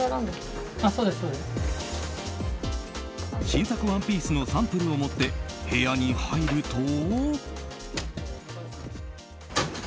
新作ワンピースのサンプルを持って部屋に入ると。